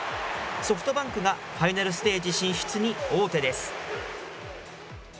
ソフトバンクがファイナルステージ進出に王手です。